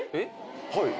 はい。